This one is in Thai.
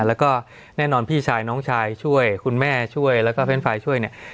แล้วก็แน่นอนพี่ชายน้องชายช่วยคุณแม่ช่วยแล้วก็แฟนช่วยเนี่ย